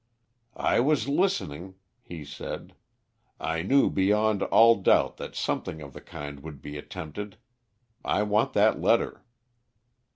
"I was listening," he said. "I knew beyond all doubt that something of the kind would be attempted. I want that letter."